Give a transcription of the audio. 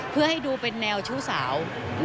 เพื่อให้ดูเป็นแนวชู้สาว